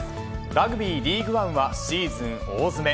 ラグビーリーグワンはシーズン大詰め。